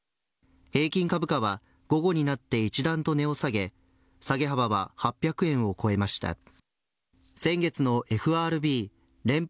平均株価は午後になって一段と値を下げ下げ幅は８００円を超えました。